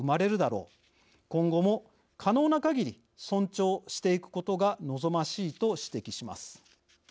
今後も可能なかぎり尊重していくことが望ましい」と指摘します。